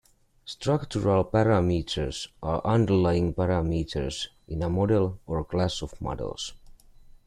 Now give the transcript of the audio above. Structural parameters are underlying parameters in a model or class of models.